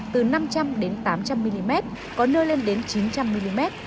từ năm trăm linh tám trăm linh mm có nơi lên đến chín trăm linh mm